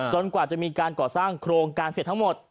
กว่าจะมีการก่อสร้างโครงการเสร็จทั้งหมด